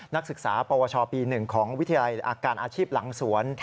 นักศึกษาปวชปี๑ของวิทยาลัยอาการอาชีพหลังสวน